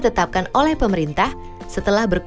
bagaimana cara bi menjaga kestabilan harga